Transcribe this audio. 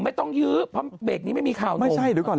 เบรกนี้ไม่มีข่าวไม่ใช่ดูก่อน